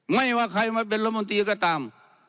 ไม่ว่าใครมาเป็นรัฐมนตรีก็ตาม